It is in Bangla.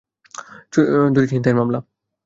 দুটি ছিনতাইয়ের মামলা।